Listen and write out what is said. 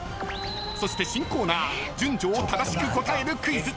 そして、新コーナー順序を正しく答えるクイズ。